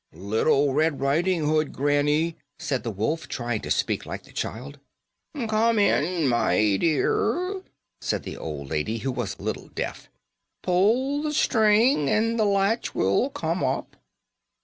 "Little Red Riding Hood, granny," said the wolf, trying to speak like the child. "Come in, my dear," said the old lady, who was a little deaf. "Pull the string and the latch will come up."